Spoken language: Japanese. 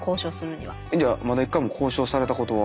じゃあまだ一回も交渉されたことは。